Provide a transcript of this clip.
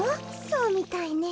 そうみたいね。